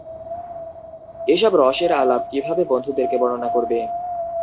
এসব রসের আলাপ কিভাবে বন্ধুদেরকে বর্ণনা করবে?